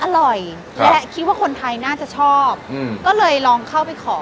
อร่อยและคิดว่าคนไทยน่าจะชอบก็เลยลองเข้าไปขอ